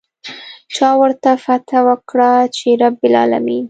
چا ورته فتحه ورکړه چې رب العلمين.